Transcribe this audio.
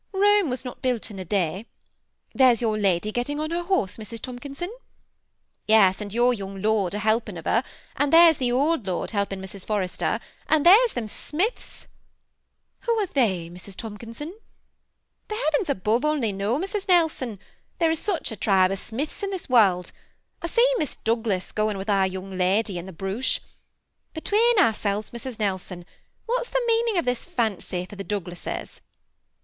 Rome was not built in a day. There 's your lady get ting on her horse, Mrs. Tomkinson." " Yes, and your young lord a helping of her ; and 124 THE SEMI ATTACHED COUPLE. there 's the old lord helping Miss Forrester ; and there *s them Smiths !"" Who are they, Mrs. Tomkinson ?"" The heavens above only know, Mrs. Nelson ; there is such a tribe of Smiths in this world. I see Miss Douglas goes with your young lady in the brooche. Between ourselves, Mrs. Nelson, what 's the meaning of this fancy for the Douglases